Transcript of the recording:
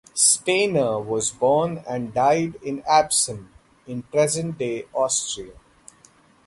Stainer was born and died in Absam, in present-day Austria.